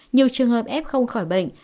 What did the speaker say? nhiều trường hợp ép không khỏi bệnh